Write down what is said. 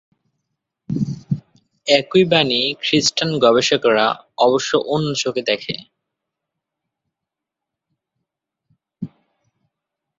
একই বাণী খ্রিস্টান গবেষকেরা অবশ্য অন্য চোখে দেখে।